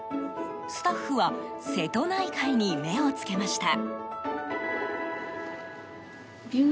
スタッフは瀬戸内海に目を付けました。